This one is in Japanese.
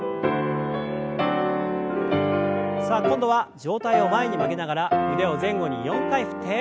さあ今度は上体を前に曲げながら腕を前後に４回振って。